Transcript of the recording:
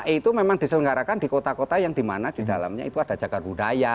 e itu memang diselenggarakan di kota kota yang di mana di dalamnya itu ada jaga budaya